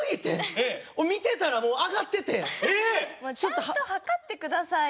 ちゃんと測って下さいよ。